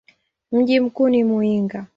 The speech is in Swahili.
Mji mkuu ni Muyinga.